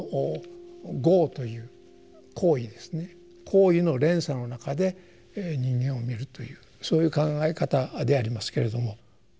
行為の連鎖の中で人間を見るというそういう考え方でありますけれども。